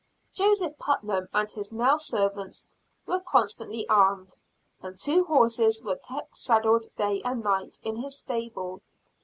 Joseph Putnam and his male servants went constantly armed; and two horses were kept saddled day and night, in his stable.